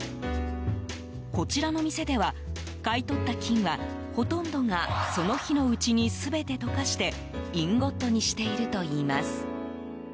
こちらの店では、買い取った金はほとんどがその日のうちに全て溶かしてインゴットにしているといいます。